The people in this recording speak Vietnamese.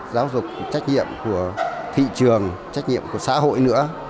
giáo dục trách nhiệm của thị trường trách nhiệm của xã hội nữa